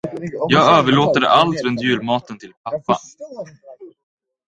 Jag överlåter allt runt julmaten till pappa.